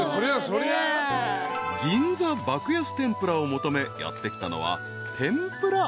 ［銀座爆安天ぷらを求めやって来たのは］